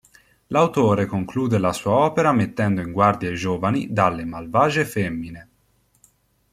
L'autore conclude la sua opera mettendo in guardia i giovani dalle "malvagie femmine".